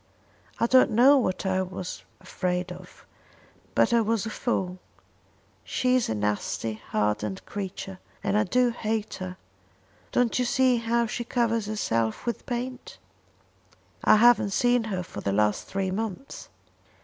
I don't know what I was afraid of, but I was a fool. She is a nasty hardened creature, and I do hate her. Don't you see how she covers herself with paint?" "I haven't seen her for the last three months."